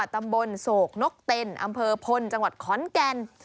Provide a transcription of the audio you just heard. ตำบลโศกนกเต็นอำเภอพลจังหวัดขอนแก่น